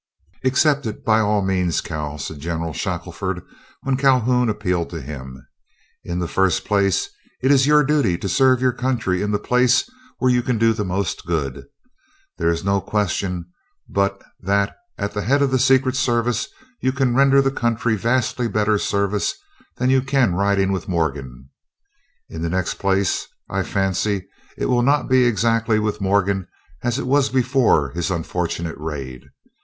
"Accept it, by all means, Cal," said General Shackelford when Calhoun appealed to him. "In the first place, it is your duty to serve your country in the place where you can do the most good. There is no question but that at the head of the Secret Service you can render the country vastly better service than you can riding with Morgan. In the next place, I fancy it will not be exactly with Morgan as it was before his unfortunate raid.